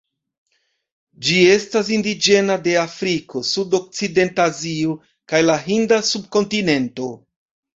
Ĝi estas indiĝena de Afriko, Sudokcidenta Azio, kaj la Hinda subkontinento.